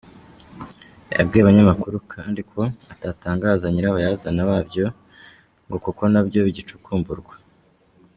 Yabwiye abanyamakuru kandi ko atatangaza nyir’abayazana wa byo ngo kuko nabyo bigicukumburwa.